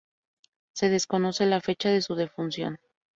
Se desconoce la fecha de su defunción.